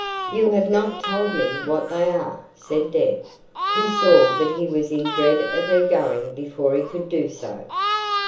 "You have not told me what they are," said Deb, who saw that he was in dread of her going before he could do so.